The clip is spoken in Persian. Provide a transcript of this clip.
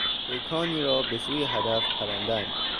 پیکانی را به سوی هدف پراندن